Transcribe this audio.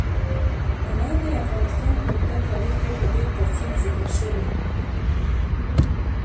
انار د افغانستان په اوږده تاریخ کې په ډېر تفصیل ذکر شوي.